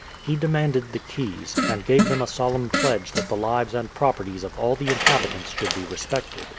He demanded the keys, and gave them a solemn pledge that the lives and properties of all the inhabitants should be respected.